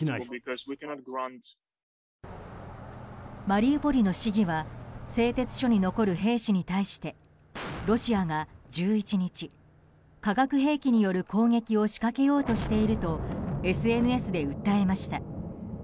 マリウポリの市議は製鉄所に残る兵士に対してロシアが１１日化学兵器による攻撃を仕掛けようとしているとＳＮＳで訴えました。